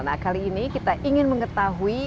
nah kali ini kita ingin mengetahui